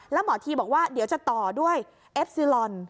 แล้วหมอทีบอกว่าเดี๋ยวจะต่อด้วยเอฟซีลอน